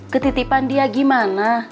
ketitipan dia gimana